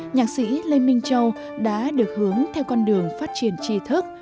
nhạc sĩ lê minh châu đã được hướng theo con đường phát triển trí thức